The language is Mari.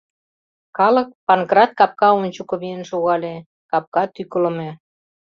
Калык Панкрат капка ончыко миен шогале — капка тӱкылымӧ...